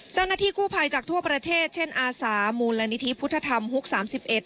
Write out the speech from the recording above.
เจ้าหน้าที่กู้ภัยจากทั่วประเทศเช่นอาสามูลนิธิพุทธธรรมฮุกสามสิบเอ็ด